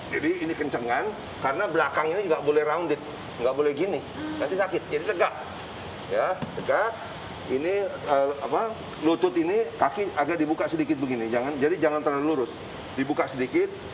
jangan lulus dibuka sedikit